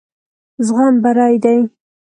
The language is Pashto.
زغم بري دی.